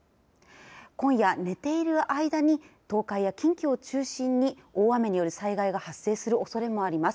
今夜、寝ている間に東海や近畿を中心に大雨による災害が発生するおそれもあります。